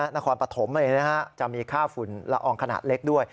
นครปฐมเลยนะครับจะมีค่าฝุ่นละอองขนาดเล็กด้วย